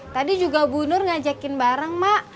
tadi juga bu nur ngajakin bareng mak